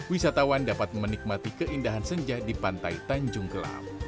wisatawan dapat menikmati keindahan senja di pantai tanjung gelap